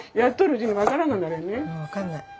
うん分かんない。